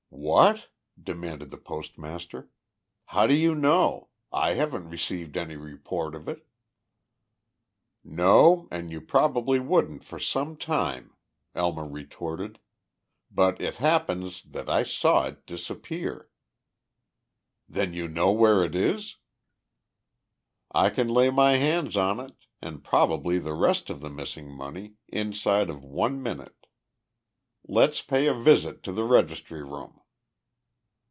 "What?" demanded the postmaster. "How do you know? I haven't received any report of it." "No, and you probably wouldn't for some time," Elmer retorted. "But it happens that I saw it disappear." "Then you know where it is?" "I can lay my hands on it and probably the rest of the missing money inside of one minute. Let's pay a visit to the registry room."